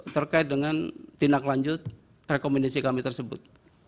terkait dengan tindak lanjut rekomendasi kami tersebut